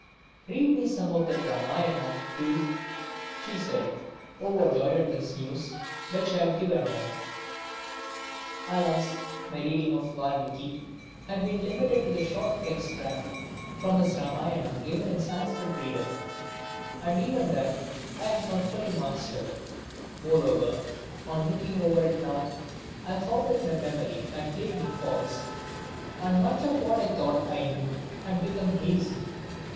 "Read me some of that Ramayana, do!" she said, overjoyed at this news which I had given her. [Illustration: The Servant maids in the Verandah] Alas, my reading of Valmiki had been limited to the short extract from his Ramayana given in my Sanskrit reader, and even that I had not fully mastered. Moreover, on looking over it now, I found that my memory had played me false and much of what I thought I knew had become hazy.